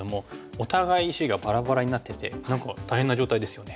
お互い石がバラバラになってて何か大変な状態ですよね。